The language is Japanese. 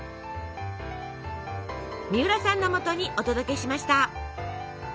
みうらさんのもとにお届けしました。